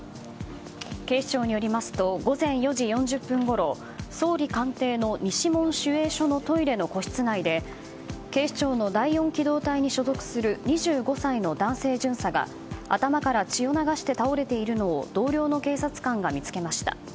警視庁によりますと午前４時４０分ごろ総理官邸の西門守衛所のトイレの個室内で警視庁の第４機動隊に所属する２５歳の男性巡査が頭から血を流して倒れているのを同僚の警察官が見つけました。